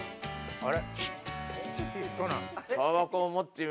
あれ？